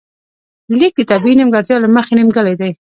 ليک د طبیعي نیمګړتیا له مخې نیمګړی دی